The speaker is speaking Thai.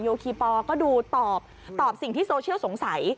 คีปอลก็ดูตอบตอบสิ่งที่โซเชียลสงสัย